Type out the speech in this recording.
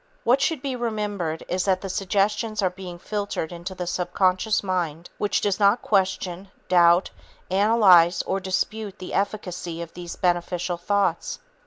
What should be remembered is that the suggestions are being filtered into the subconscious mind which does not question, doubt, analyze or dispute the efficacy of these beneficial thoughts.